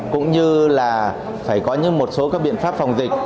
cũng như là phải có những một số các biện pháp phòng dịch